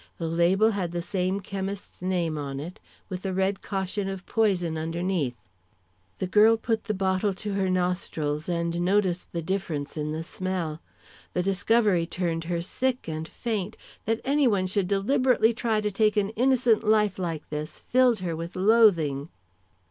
The label had the same chemist's name on it, with the red caution of "Poison" underneath. The girl put the bottle to her nostrils and noticed the difference in the smell. The discovery turned her sick and faint. That any one should deliberately try and take an innocent life like this filled her with loathing.